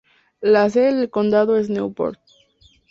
La sede del condado es Newport.